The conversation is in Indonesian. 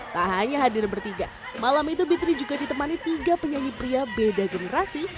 tak hanya hadir bertiga malam itu bitri juga ditemani tiga penyanyi pria beda generasi